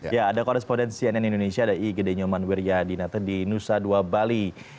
iya ada korespondensi cnn indonesia ada i gede nyoman wirjahadinata di nusa dua bali